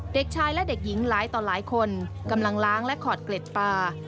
เด็กชายและเด็กหญิงหลายต่อหลายคนกำลังล้างและขอดเกล็ดปลา